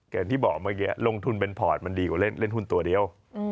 อย่างที่บอกเมื่อกี้ลงทุนเป็นพอร์ตมันดีกว่าเล่นหุ้นตัวเดียว